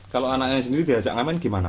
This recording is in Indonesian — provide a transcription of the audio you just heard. kalau anaknya sendiri diajak ngamen gimana